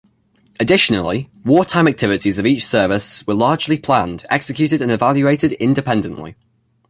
Additionally, wartime activities of each service were largely planned, executed, and evaluated independently.